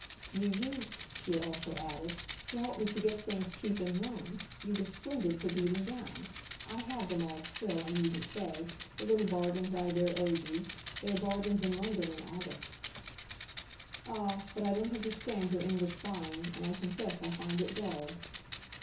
"You used," she had also added, "to help me to get things cheap in Rome. You were splendid for beating down. I have them all still, I needn't say the little bargains I there owed you. There are bargains in London in August." "Ah, but I don't understand your English buying, and I confess I find it dull."